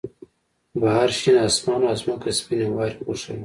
بهر شین آسمان و او ځمکه سپینې واورې پوښلې وه